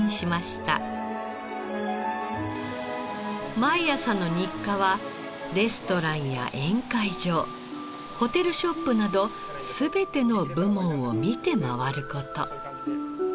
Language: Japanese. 毎朝の日課はレストランや宴会場ホテルショップなど全ての部門を見て回る事。